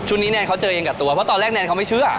แนนเขาเจอเองกับตัวเพราะตอนแรกแนนเขาไม่เชื่อ